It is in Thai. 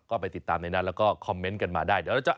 ก็ไปติดตามในนั้นแล้วก็คอมเมนต์กันมาได้